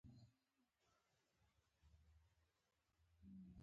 دريم ورزش نۀ کول او څلورم زيات بچي -